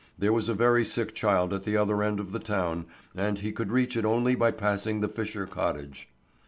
There was a very sick child at the other end of the town and he could reach it only by passing the Fisher cottage.